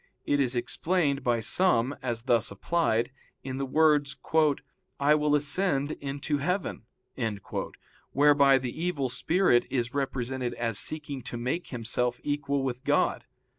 It is explained by some, as thus applied, in the words, "I will ascend into heaven"; whereby the evil spirit is represented as seeking to make himself equal with God.